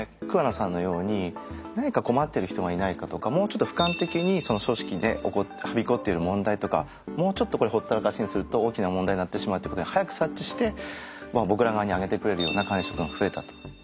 桑名さんのように何か困ってる人がいないかとかもうちょっとふかん的に組織にはびこってる問題とかもうちょっとこれほったらかしにすると大きな問題になってしまうってことに早く察知して僕ら側にあげてくれるような管理職が増えたと。